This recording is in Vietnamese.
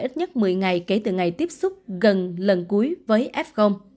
ít nhất một mươi ngày kể từ ngày tiếp xúc gần lần cuối với f